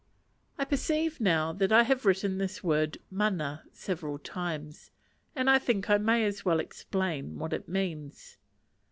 I perceive now that I have written this word mana several times, and think I may as well explain what it means.